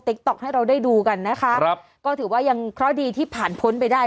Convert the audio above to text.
ต๊อกให้เราได้ดูกันนะคะครับก็ถือว่ายังเคราะห์ดีที่ผ่านพ้นไปได้